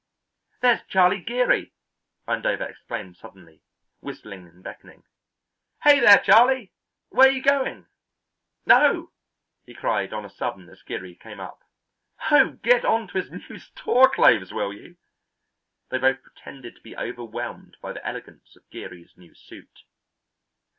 "There's Charlie Geary," Vandover exclaimed suddenly, whistling and beckoning. "Hey, there, Charlie! where you going? Oh," he cried on a sudden as Geary came up, "oh, get on to his new store clothes, will you?" They both pretended to be overwhelmed by the elegance of Geary's new suit.